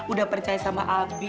udah percaya sama abi